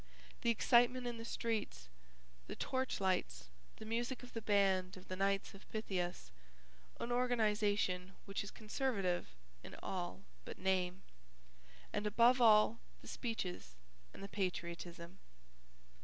The excitement in the streets, the torchlights, the music of the band of the Knights of Pythias (an organization which is conservative in all but name), and above all the speeches and the patriotism.